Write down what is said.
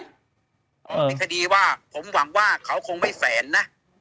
ในคดีว่าผมหวังว่าเขาคงไม่แฝนนะ